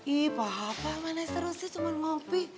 ih pak mana seru sih cuma ngopi